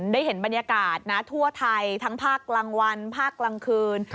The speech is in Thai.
ได้เห็นบรรยากาศนะทั่วไทยทั้งภาคกลางวันภาคกลางคืน